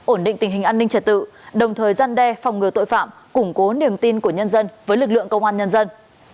ổn định tình hình an ninh trật tự đồng thời gian đe phòng ngừa tội phạm củng cố niềm tin của nhân dân với lực lượng công an nhân dân